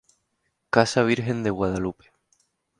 Casa Virgen de Guadalupe.